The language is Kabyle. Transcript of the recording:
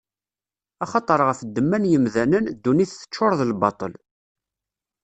Axaṭer ɣef ddemma n yemdanen, ddunit teččuṛ d lbaṭel.